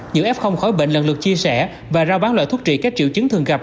giữ ép không khỏi bệnh lần lượt chia sẻ và rao bán loại thuốc trị các triều chứng thường gặp